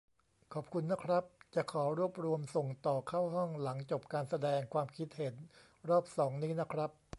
ขอบคุณนะครับ จะขอรวบรวมส่งต่อเข้าห้องหลังจบการแสดงความคิดเห็นรอบสองนี้นะครับ